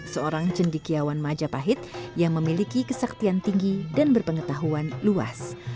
seorang cendikiawan majapahit yang memiliki kesaktian tinggi dan berpengetahuan luas